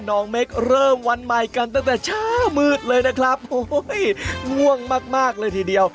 โอ้โฮง่วงมากเลยทีเดียว